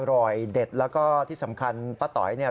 อร่อยเด็ดแล้วก็ที่สำคัญป้าต๋อยเนี่ย